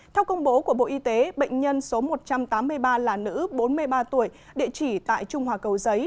theo công bố của bộ y tế bệnh nhân số một trăm tám mươi ba là nữ bốn mươi ba tuổi địa chỉ tại trung hòa cầu giấy